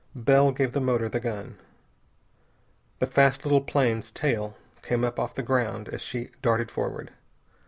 Bell gave the motor the gun. The fast little plane's tail came up off the ground as she darted forward.